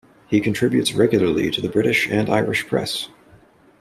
He contributes regularly to the British and Irish press.